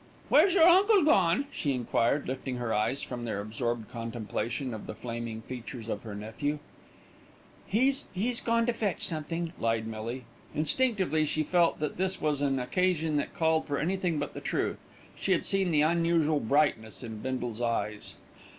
"Where's your Uncle gone?" she enquired, lifting her eyes from their absorbed contemplation of the flaming features of her nephew. "He's he's gone to fetch something," lied Millie. Instinctively she felt that this was an occasion that called for anything but the truth. She had seen the unusual brightness of Bindle's eyes.